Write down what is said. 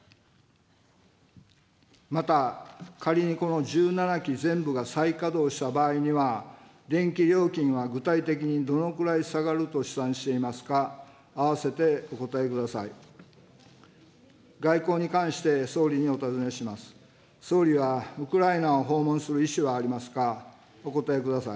また仮にこの１７基全部が再稼働した場合には、電気料金は具体的にどのくらい下がると試算していますか、併せてお答えください。